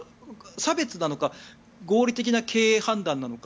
差別なのか合理的な経営判断なのか